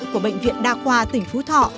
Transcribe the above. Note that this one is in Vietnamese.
của bệnh viện đa khoa tỉnh phú thọ